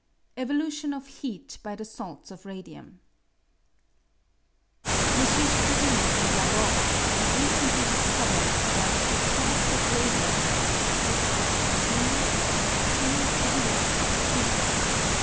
Evolution of Heat by the Salts of Radium. MM. Curie and Laborde have recently discovered that the salts of radium are the source of a spontaneous and con tinuous evolution of heat.